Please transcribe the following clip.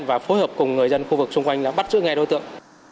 và phối hợp cùng người dân khu vực xung quanh là bắt giữ ngay đối tượng